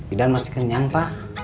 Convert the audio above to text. idan masih kenyang pak